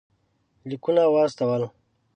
لیکونه واستول.